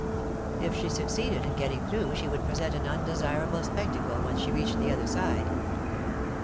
If she succeeded in getting through she would present an undesirable spectacle when she reached the other side.